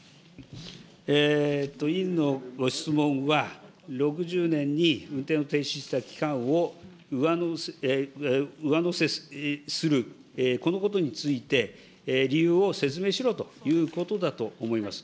委員のご質問は、６０年に運転を停止した期間を上乗せする、このことについて、理由を説明しろということだと思います。